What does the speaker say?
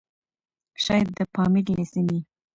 شايد د پامير له سيمې؛